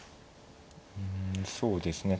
うんそうですね